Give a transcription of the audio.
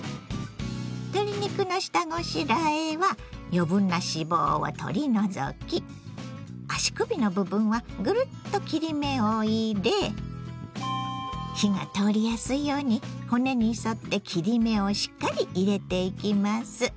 鶏肉の下ごしらえは余分な脂肪を取り除き足首の部分はぐるっと切り目を入れ火が通りやすいように骨に沿って切り目をしっかり入れていきます。